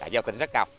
gieo tinh rất cao